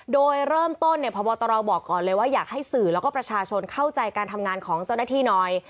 โดยเริ่มต้นเนี่ยพบตรบอกก่อนเลยว่าอยากให้สื่อแล้วก็ประชาชนเข้าใจการทำงานของเจ้าหน้าที่หน่อย